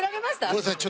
ごめんなさい。